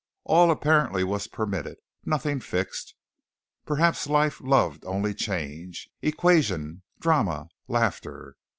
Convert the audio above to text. All apparently was permitted, nothing fixed. Perhaps life loved only change, equation, drama, laughter.